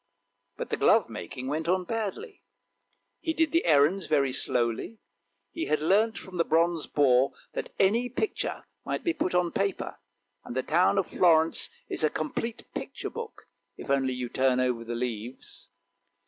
But the glovemaking went on badly ; he did the errands very slowly; he had learnt from the bronze boar that any picture might be put on paper, and the town of Florence is a complete picture book, if you only turn over the leaves.